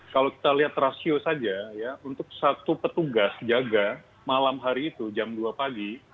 kalau kita lihat rasio saja ya untuk satu petugas jaga malam hari itu jam dua pagi